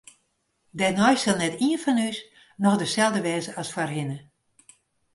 Dêrnei sil net ien fan ús noch deselde wêze as foarhinne.